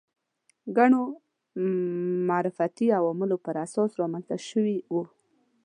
ګڼو معرفتي عواملو پر اساس رامنځته شوي وو